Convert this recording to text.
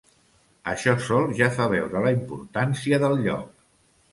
Això sol ja fa veure la importància del lloc.